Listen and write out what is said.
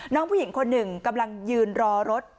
น้องผู้หญิงคนหนึ่งกำลังยืนรอรถ